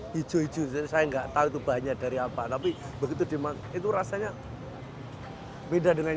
hijau hijau saya enggak tahu itu banyak dari apa tapi begitu dimakan itu rasanya beda dengan